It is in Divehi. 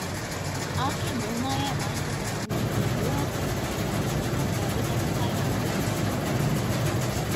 އާކިން ނޫމާއާއި ވާހަކަ ދައްކަމުން ދިޔައީ ދުވަހަކުވެސް ވަކިނުވުމަށް އެތައް ވައުދު ތަކަކާއި އަހުދު ތަކެއް ވަމުން